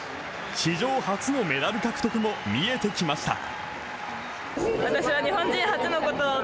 史上初のメダル獲得も見えてきました。